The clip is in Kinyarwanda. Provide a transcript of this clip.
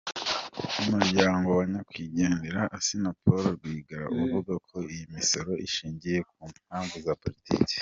Umuryango wa Nyakwigendera Assinapol Rwigara uvuga ko iyi misoro ishingiye ku mpamvu za Politiki.